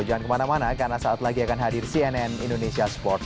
jangan kemana mana karena saat lagi akan hadir cnn indonesia sports